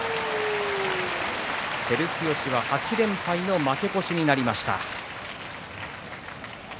照強は８連敗の負け越しになりました。